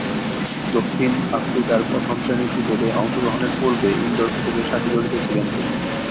দক্ষিণ আফ্রিকার প্রথম-শ্রেণীর ক্রিকেটে অংশগ্রহণের পূর্বে ইনডোর ক্রিকেটের সাথে জড়িত ছিলেন তিনি।